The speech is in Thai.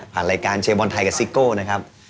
รายการเชียร์บอลไทยกับซิโก้นะครับ